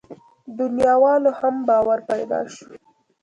دنياوالو هم باور پيدا شو.